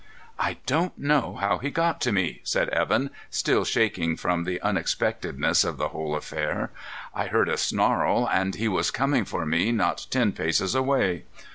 "I don't know how he got to me," said Evan, still shaking from the unexpectedness of the whole affair. "I heard a snarl, and he was coming for me not ten paces away.